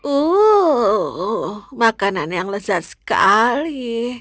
uh makanan yang lezat sekali